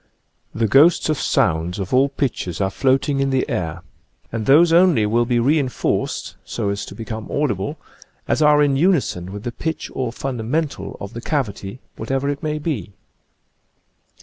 The ghosts of sounds of all pitches are float ing in the air and those only will be re en forced, so as to become audible, as are in unison with the pitch or fundamental of the cavity, whatever it may be.